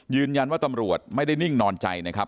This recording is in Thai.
ยืนยันว่าตำรวจไม่ได้นิ่งนอนใจนะครับ